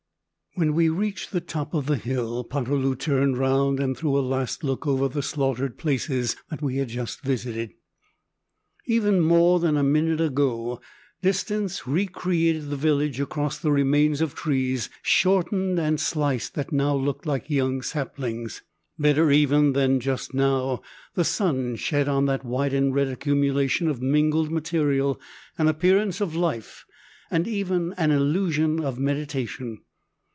When we reached the top of the hill, Poterloo turned round and threw a last look over the slaughtered places that we had just visited. Even more than a minute ago, distance recreated the village across the remains of trees shortened and sliced that now looked like young saplings. Better even than just now, the sun shed on that white and red accumulation of mingled material an appearance of life and even an illusion of meditation.